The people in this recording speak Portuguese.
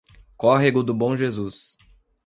Córrego do Bom Jesus